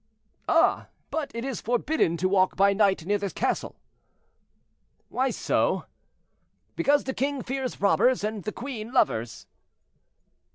"Ah! but it is forbidden to walk by night near this castle." "Why so?" "Because the king fears robbers, and the queen lovers."